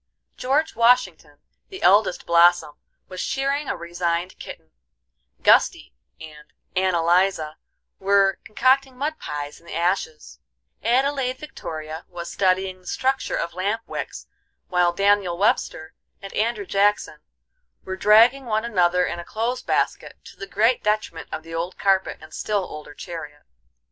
George Washington, the eldest blossom, was shearing a resigned kitten; Gusty and Ann Eliza were concocting mud pies in the ashes; Adelaide Victoria was studying the structure of lamp wicks, while Daniel Webster and Andrew Jackson were dragging one another in a clothes basket, to the great detriment of the old carpet and still older chariot.